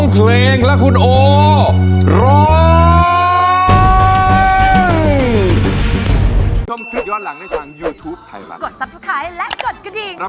เสี่ยงใจจริงซะ